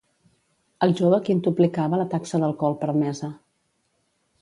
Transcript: El jove quintuplicava la taxa d'alcohol permesa.